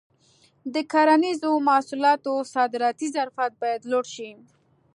د کرنیزو محصولاتو صادراتي ظرفیت باید لوړ شي.